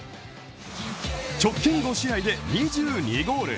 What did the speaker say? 直近５試合で２２ゴール。